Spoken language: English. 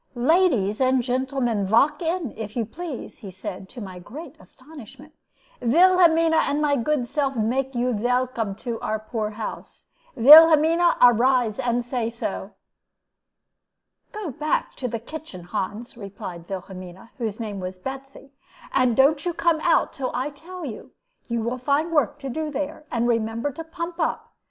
"Ladies and gentlemans, valk in, if you please," he said, to my great astonishment; "Vilhelmina and my good self make you velcome to our poor house. Vilhelmina, arise and say so." "Go to the back kitchen, Hans," replied Wilhelmina, whose name was "Betsy," "and don't come out until I tell you. You will find work to do there, and remember to pump up.